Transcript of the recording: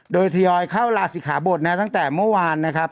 โดยทยอยเข้าลาศิขาบทนะตั้งแต่เมื่อวานนะครับ